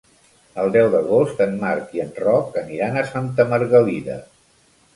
El deu d'agost en Marc i en Roc aniran a Santa Margalida.